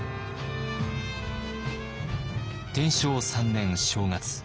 天正３年正月。